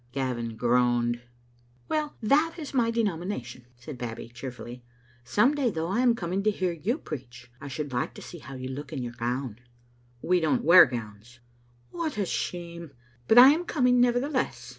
Gavin groaned. "Well, that is my denomination," said Babbie, cheer fully. "Some day, though, I am coming to hear you preach. I should like to see how you look in your gown. " "We don't wear gowns." "What a shame! But I am coming, nevertheless.